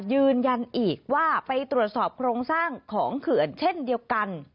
ยืนยันอีกว่าไปตรวจสอบโครงสร้างของเขื่อนเช่นเดียวกัน